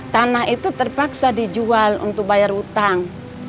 tanah itu terpaksa dijual untuk bayar utang